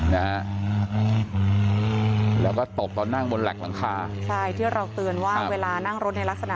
นะฮะแล้วก็ตกตอนนั่งบนแหลกหลังคาใช่ที่เราเตือนว่าเวลานั่งรถในลักษณะ